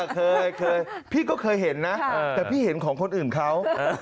เคยพี่ก็เคยเห็นนะแต่พี่เห็นของคนอื่นเขา